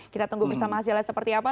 kita tunggu bersama hasilnya seperti apa